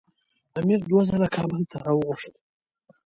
امیر دوه ځله کابل ته راوغوښت.